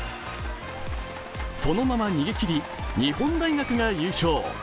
そのまま逃げ切り日本大学が優勝。